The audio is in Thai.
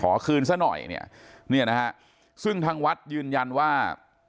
คืนซะหน่อยเนี่ยเนี่ยนะฮะซึ่งทางวัดยืนยันว่า